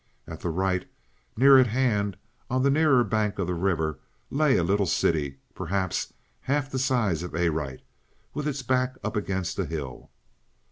At the right, near at hand, and on the nearer bank of the river, lay a little city, perhaps half the size of Arite, with its back up against a hill.